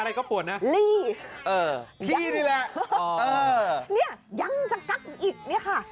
อะไรก็ปวดนะลี่เออพี่นี่แหละเออเนี่ยยังจะกักอีกเนี่ยค่ะ